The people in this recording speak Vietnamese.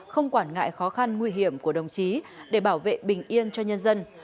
không quản ngại khó khăn nguy hiểm của đồng chí để bảo vệ bình yên cho nhân dân